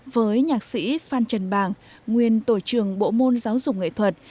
với nhạc sĩ phan trần bàng nguyên tổ trưởng bộ môn giáo dục nghệ thuật